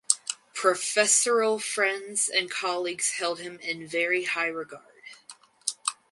Professorial friends and colleagues held him in very high regard.